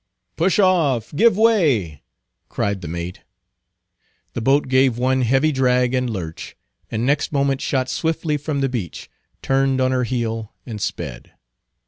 "Push off! Give way!" cried the mate. The boat gave one heavy drag and lurch, and next moment shot swiftly from the beach, turned on her heel, and sped.